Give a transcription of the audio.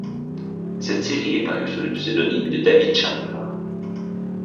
Cette série est parue sous le pseudonyme de David Chandler.